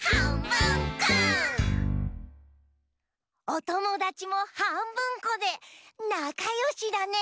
おともだちもはんぶんこでなかよしだね！